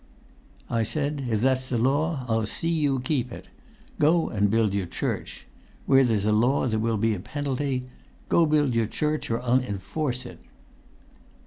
"I said, 'If that's the law I'll see you keep it. Go and build your church! Where there's a law there will be a penalty; go build your church or I'll enforce it.'"